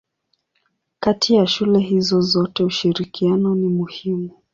Kati ya shule hizo zote ushirikiano ni muhimu.